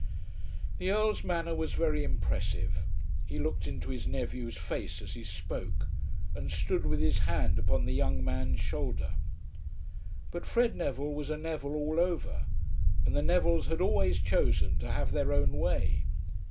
The Earl's manner was very impressive. He looked into his nephew's face as he spoke, and stood with his hand upon the young man's shoulder. But Fred Neville was a Neville all over, and the Nevilles had always chosen to have their own way.